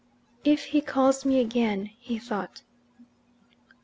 "If he calls me again " he thought.